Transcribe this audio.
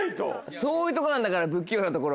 そういうとこなんだから不器用なところ。